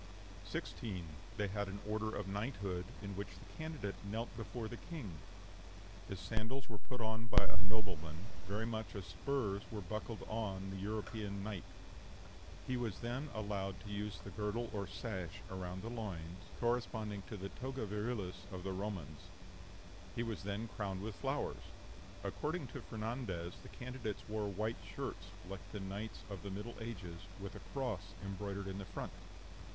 16. They had an order of knighthood, in which the candidate knelt before the king; his sandals were put on by a nobleman, very much as the spurs were buckled on the European knight; he was then allowed to use the girdle or sash around the loins, corresponding to the toga virilis of the Romans; he was then crowned with flowers. According to Fernandez, the candidates wore white shirts, like the knights of the Middle Ages, with a cross embroidered in front.